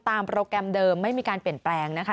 โปรแกรมเดิมไม่มีการเปลี่ยนแปลงนะคะ